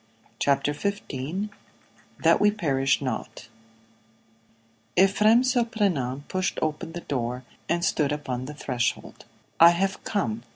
CHAPTER XV THAT WE PERISH NOT EPHREM SURPRENANT pushed open the door and stood upon the threshold. "I have come."